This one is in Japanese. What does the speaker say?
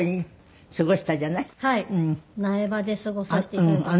苗場で過ごさせて頂いた時は。